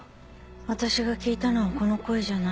私が聞いたのはこの声じゃない。